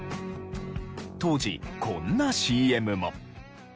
当時こんなＣＭも。